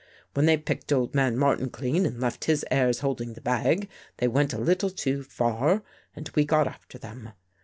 When they picked old man Mar tin clean and left his heirs holding the bag, they went a little too far and we got after them.